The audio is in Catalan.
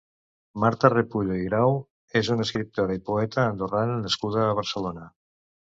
Marta Repullo i Grau és una escriptora i poeta andorrana nascuda a Barcelona.